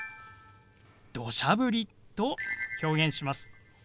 「どしゃ降り」と表現します。